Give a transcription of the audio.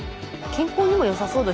健康にもよさそうですね